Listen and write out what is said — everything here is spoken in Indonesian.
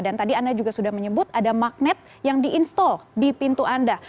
dan tadi anda juga sudah menyebut ada magnet yang di install di pintu anda